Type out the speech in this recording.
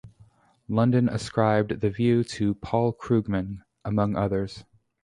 London ascribed the view to Paul Krugman, among others.